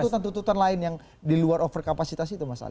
tuntutan tuntutan lain yang diluar overkapasitas itu mas ali